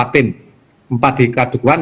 empat tim empat di kadukuan